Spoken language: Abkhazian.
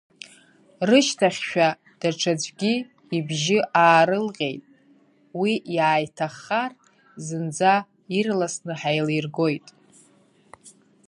Рышьҭахьшәа даҽаӡәгьы ибжьы аарылҟьеит, уи иааиҭаххар, зынӡа ирласны ҳаилиргоит!